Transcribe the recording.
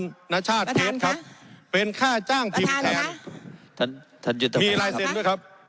ประธานครับประธานครับเป็นค่าจ้างทีมแทนประธานครับท่านท่านมีลายเซ็นต์ไหมครับ